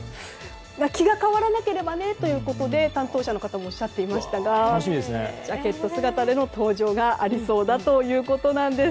気が変わらなければねと担当者の方もおっしゃっていましたがジャケット姿での登場がありそうだということです。